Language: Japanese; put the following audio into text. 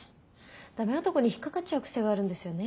ダメ男に引っ掛かっちゃう癖があるんですよね